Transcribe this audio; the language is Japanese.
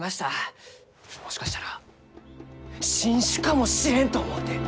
もしかしたら新種かもしれんと思うて！